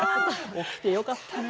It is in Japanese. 起きてよかったね。